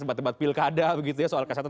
debat debat pilkada begitu ya soal kesehatan